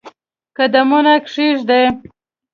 قدمونه کښېږدي